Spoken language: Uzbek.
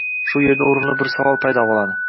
Shu yerda o’rinli bir savol paydo bo’ladi